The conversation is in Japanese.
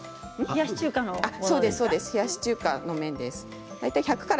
冷やし中華のですか。